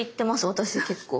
私結構。